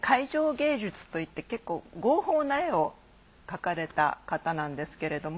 芸術といって結構豪放な絵を描かれた方なんですけれども。